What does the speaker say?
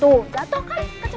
tuh jatuh kan kecematan lo